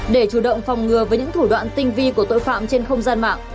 để chủ động phòng ngừa với những thủ đoạn tinh vi của tội phạm trên không gian mạng